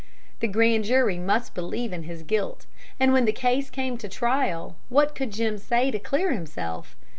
The grand jury must believe in his guilt. And when the case came to trial, what could Jim say to clear himself?